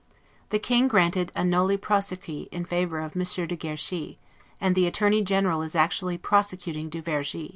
The King granted a 'noli prosequi' in favor of Monsieur de Guerchy; and the Attorney General is actually prosecuting du Vergy.